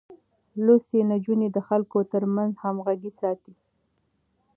لوستې نجونې د خلکو ترمنځ همغږي ساتي.